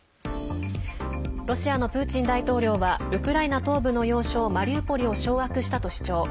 ロシアのプーチン大統領はウクライナ東部の要衝マリウポリを掌握したと主張。